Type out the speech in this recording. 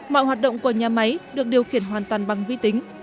mọi hoạt động của nhà máy được điều khiển hoàn toàn bằng vi tính